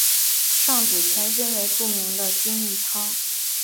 上址前身为著名的均益仓。